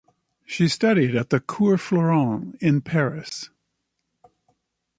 She studied at the Cours Florent in Paris.